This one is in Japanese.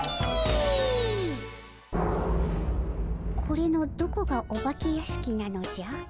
これのどこがお化け屋敷なのじゃ？